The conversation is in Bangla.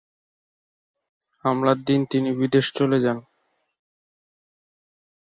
হামলার দিন তিনি বিদেশে চলে যান।